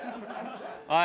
はい。